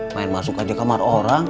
main masuk aja kamar orang